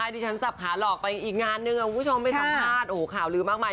ดิฉันสับขาหลอกไปอีกงานนึงคุณผู้ชมไปสัมภาษณ์โอ้โหข่าวลื้อมากมาย